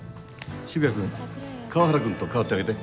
渋谷くん河原くんと代わってあげて。